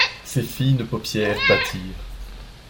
Ses fines paupières battirent.